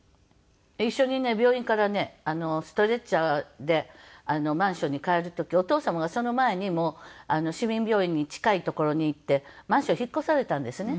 一緒にね病院からねストレッチャーでマンションに帰る時お父様がその前に市民病院に近い所にってマンション引っ越されたんですね。